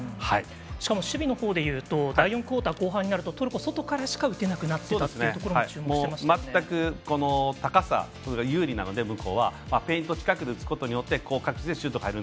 しかも守備のほうでいうと第４クオーター後半になるとトルコは外からしか打てなくなっていたところも全く高さが有利なので向こうはペイント近くで打つことで高確率でシュートが決まる。